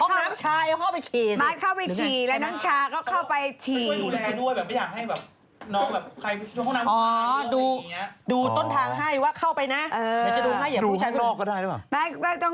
น้องน้ำชายเขากดฉี่แล้วห้องน้ำหญิงเต็ม